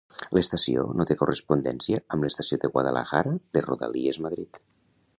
L'estació no té correspondència amb l'estació de Guadalajara de Rodalies Madrid.